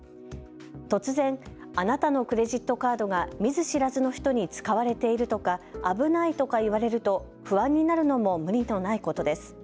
突然、あなたのクレジットカードが見ず知らずの人に使われているとか危ないとか言われると不安になるのも無理のないことです。